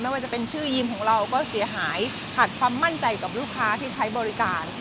ว่าจะเป็นชื่อยิมของเราก็เสียหายขาดความมั่นใจกับลูกค้าที่ใช้บริการ